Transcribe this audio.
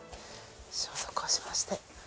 消毒をしまして。